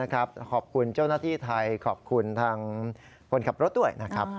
ขอบคุณเจ้าหน้าที่ไทยขอบคุณทางคนขับรถด้วยนะครับ